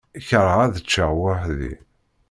Kerheɣ ad ččeɣ weḥd-i.